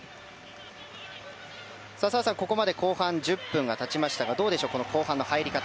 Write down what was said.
澤さん、ここまで後半１０分が経ちましたがどうでしょう、後半の入り方。